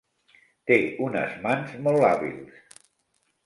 Té unes mans molt hàbils.